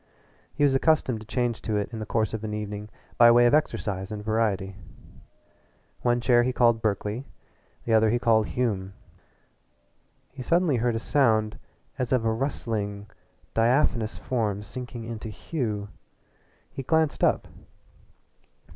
He was accustomed to change to it in the course of an evening by way of exercise and variety. One chair he called Berkeley, the other he called Hume. He suddenly heard a sound as of a rustling, diaphanous form sinking into Hume. He glanced up.